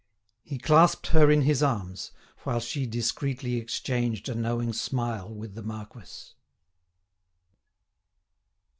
He clasped her in his arms, while she discreetly exchanged a knowing smile with the marquis.